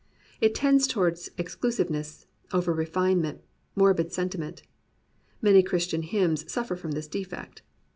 It tends towards exclusiveness, over refinement, morbid sen timent. Many Christian hymns suffer from this defect.